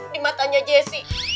di matanya jessy